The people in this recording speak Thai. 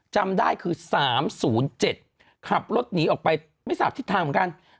จำได้คือ๓๐๗ขับรถหนีออกไปไม่ทราบทิศทางเหมือนกัน